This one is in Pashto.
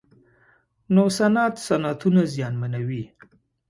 نوسانات صنعتونه زیانمنوي.